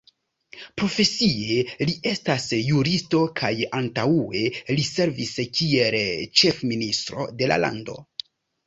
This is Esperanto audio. Profesie li estas juristo kaj antaŭe li servis kiel ĉefministro de la lando.